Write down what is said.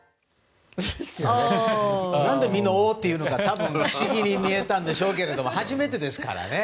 何でみんなオーって言うのか多分不思議に見えたんでしょうが初めてですからね。